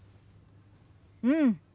うん。